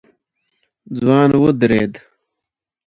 ځوان ودرېد.